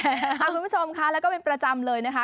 คุณผู้ชมค่ะแล้วก็เป็นประจำเลยนะคะ